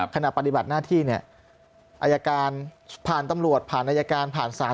ขณะปฏิบัติหน้าที่อาจารย์การผ่านตำรวจผ่านอาจารย์กรรมผ่านสาร